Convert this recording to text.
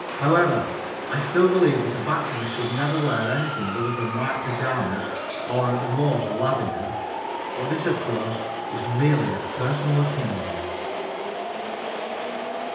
However, I still believe that a bachelor should never wear anything other than white pajamas or at the most lavender, but this of course is merely a personal opinion.